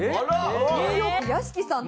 ニューヨーク屋敷さんと。